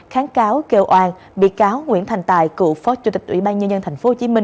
kháng cáo kêu oan bị cáo nguyễn thành tài cựu phó chủ tịch ủy ban nhân dân tp hcm